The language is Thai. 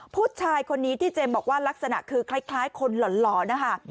ผู้ชายคนนี้ที่เจมส์บอกว่าลักษณะคือคล้ายคนหล่อนนะคะ